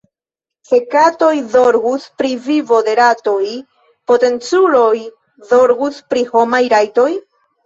Se katoj zorgus pri vivo de ratoj, potenculoj zorgus pri homaj rajtoj.